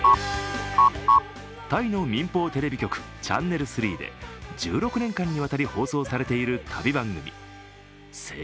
タイの民放テレビ局チャンネル３で１６年間にわたり放送されている旅番組「ＳａｙＨｉ！」。